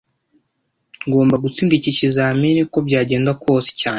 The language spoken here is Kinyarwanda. Ngomba gutsinda iki kizamini, uko byagenda kose cyane